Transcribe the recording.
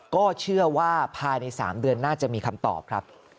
ก็เชื่อว่าภายใน๓เดือนน่าจะมีคำตอบครับ